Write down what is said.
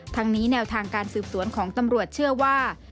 ทั้งนี้แนวทางการสืบสวนของตำรวจเชื่อว่า